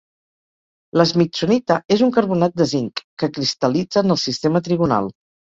La smithsonita és un carbonat de zinc, que cristal·litza en el sistema trigonal.